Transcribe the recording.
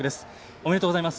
おめでとうございます。